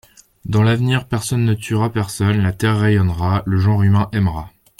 Dans l'avenir personne ne tuera personne, la terre rayonnera, le genre humain aimera.